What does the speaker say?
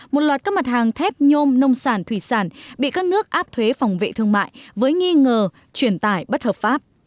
một loạt các mặt hàng thép nhôm nông sản thủy sản bị các nước áp thuế phòng vệ thương mại với nghi ngờ truyền tải bất hợp pháp